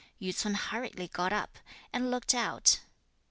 Yü ts'un hurriedly got up and looked out.